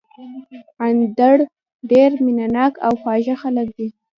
اندړ ډېر مېنه ناک او خواږه خلک دي